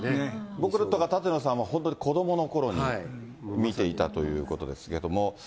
僕とか舘野さんは本当、子どものころに見ていたということですけれども。